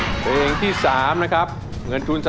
ร้องใจร้องใจร้องใจร้องใจร้องใจร้องใจ